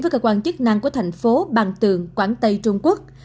với cơ quan chức năng của thành phố bằng tường quảng tây trung quốc